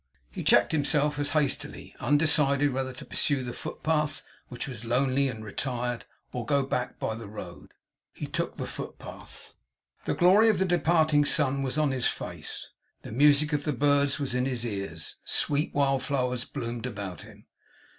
He checked himself as hastily; undecided whether to pursue the footpath, which was lonely and retired, or to go back by the road. He took the footpath. The glory of the departing sun was on his face. The music of the birds was in his ears. Sweet wild flowers bloomed about him.